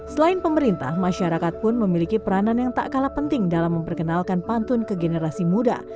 selain pemerintah masyarakat pun memiliki peranan yang tak kalah penting dalam memperkenalkan pantun ke generasi muda